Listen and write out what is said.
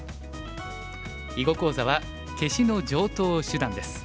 囲碁講座は「消しの常とう手段」です。